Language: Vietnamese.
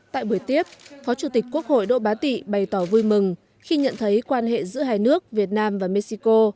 tại buổi tiếp phó chủ tịch quốc hội đỗ bá tị bày tỏ vui mừng khi nhận thấy quan hệ giữa hai nước việt nam và mexico